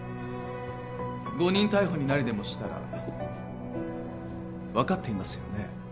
誤認逮捕になりでもしたら分かっていますよね？